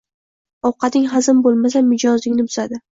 Ovqating hazm bo‘lmasa, mijozingni buzadi.